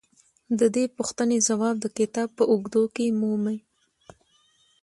د دې پوښتنې ځواب د کتاب په اوږدو کې مومئ.